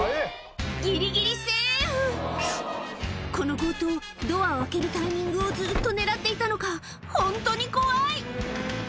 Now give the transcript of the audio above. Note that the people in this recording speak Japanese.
ギリギリセーフこの強盗ドアを開けるタイミングをずっと狙っていたのかホントに怖い！